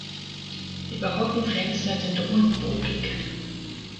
Die barocken Fenster sind rundbogig.